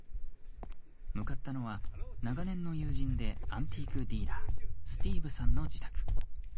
向かったのは、長年の友人でアンティークディーラースティーブさんの自宅。